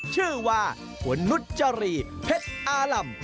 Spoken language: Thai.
ชื่อว่าคุณนุจรีเพชรอาร่ำ